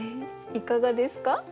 いかがですか？